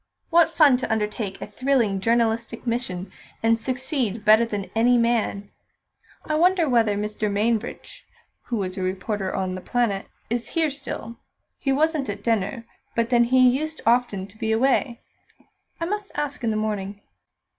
"What fun to undertake a thrilling journalistic mission, and succeed better than any man! I wonder whether Mr. Mainbridge, who was a reporter on The Planet, is here still. He wasn't at dinner, but then he used often to be away. I must ask in the morning."